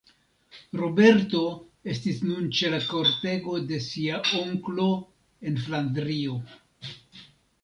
Roberto estis nun ĉe la kortego de sia onklo en Flandrio.